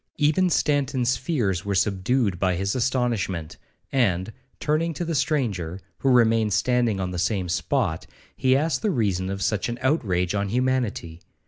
Even Stanton's fears were subdued by his astonishment, and, turning to the stranger, who remained standing on the same spot, he asked the reason of such an outrage on humanity.